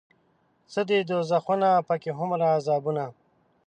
څه دي دوزخونه پکې هومره عذابونه